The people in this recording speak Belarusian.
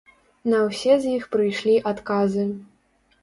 На ўсе з іх прыйшлі адказы.